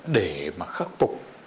để mà khắc phục